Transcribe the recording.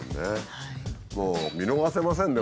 もう見逃せませんね